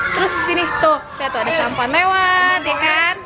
terus disini tuh lihat tuh ada sampah lewat ya kan